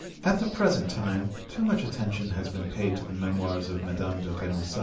At the present time too much attention has been paid to the Memoirs of Madame de Remusat.